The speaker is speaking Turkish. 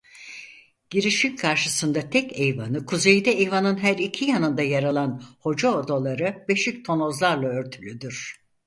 Girişin karşısında tek eyvanı kuzeyde eyvanın her iki yanında yer alan hoca odaları beşik tonozlarla örtülüdür.